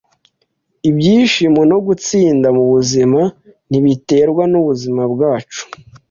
Ibyishimo no gutsinda mubuzima ntibiterwa nubuzima bwacu,